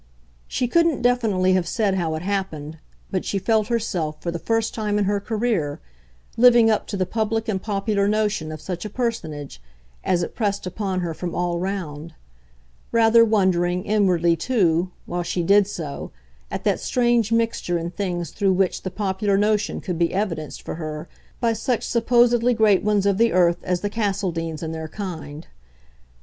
She couldn't definitely have said how it happened, but she felt herself, for the first time in her career, living up to the public and popular notion of such a personage, as it pressed upon her from all round; rather wondering, inwardly too, while she did so, at that strange mixture in things through which the popular notion could be evidenced for her by such supposedly great ones of the earth as the Castledeans and their kind.